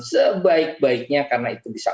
sebaik baiknya karena itu bisa